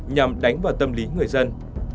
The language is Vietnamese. nhằm đánh vào tâm lý người dân